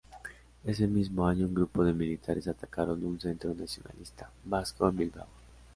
Ese mismo año un grupo de militares atacaron un centro nacionalista vasco en Bilbao.